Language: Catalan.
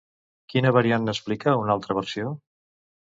Quina variant n'explica una altra versió?